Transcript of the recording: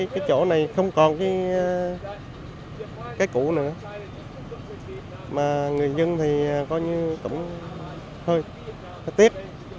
cách cũ nữa mà người dân thì coi như cũng hơi tiếc